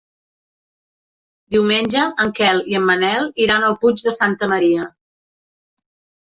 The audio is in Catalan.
Diumenge en Quel i en Manel iran al Puig de Santa Maria.